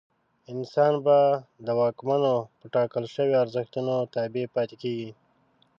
انسان به د واکمنو په ټاکل شویو ارزښتونو تابع پاتې کېږي.